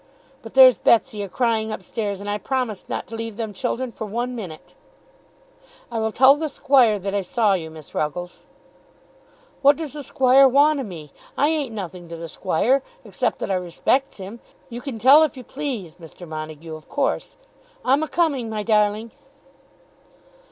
"But there's Betsy a crying up stairs, and I promised not to leave them children for one minute." "I will tell the Squire that I saw you, Miss Ruggles." "What does the Squire want o' me? I ain't nothing to the Squire, except that I respects him. You can tell if you please, Mr. Montague, of course. I'm a coming, my darling."